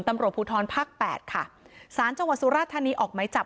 ตำรวจภูทรภาคแปดค่ะสารจังหวัดสุราธานีออกไหมจับ